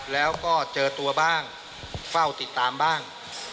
แล้วก็เจอตัวบ้างเฝ้าติดตามบ้าง